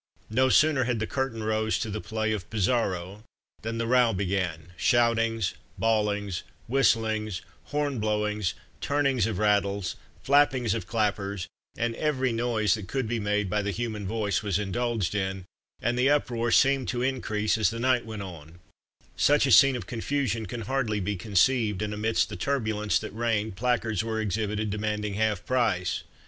No sooner had the curtain rose to the play of "Pizarro" than the row began shoutings, bawlings, whistlings, hornblowings, turnings of rattles, flappings of clappers, and every noise that could be made by the human voice was indulged in, and the uproar seemed to increase as the night went on such a scene of confusion can hardly be conceived, and amidst the turbulence that reigned placards were exhibited demanding "half price."